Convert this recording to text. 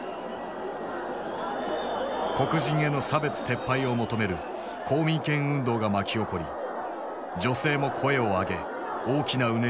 黒人への差別撤廃を求める公民権運動が巻き起こり女性も声を上げ大きなうねりとなった。